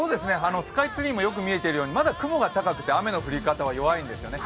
スカイツリーもよく見えているようにまだ雲は高くて雨の降り方は弱いんですよね。